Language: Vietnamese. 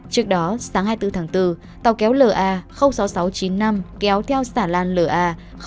trước đó sáng hai mươi bốn tháng bốn tàu kéo l a sáu nghìn sáu trăm chín mươi năm kéo theo xà lan l a sáu nghìn tám trăm tám mươi ba